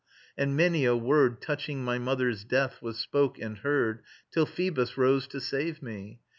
And many a word Touching my mother's death was spoke and heard, Till Phoebus rose to save me.